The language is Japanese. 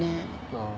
ああ